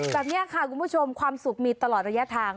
แต่นี่ค่ะคุณผู้ชมความสุขมีตลอดระยะทาง